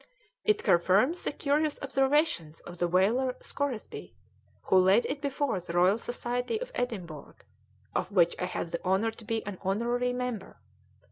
"It confirms the curious observations of the whaler Scoresby, who laid it before the Royal Society of Edinburgh, of which I have the honour to be an honorary member.